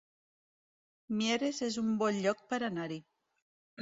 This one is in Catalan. Mieres es un bon lloc per anar-hi